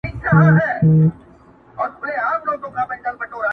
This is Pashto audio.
چي قاتِل مي د رڼا تر داره یو سم،